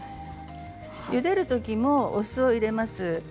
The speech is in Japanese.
ゆでるときも、お酢を入れます。